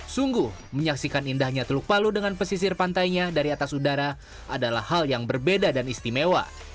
sungguh menyaksikan indahnya teluk palu dengan pesisir pantainya dari atas udara adalah hal yang berbeda dan istimewa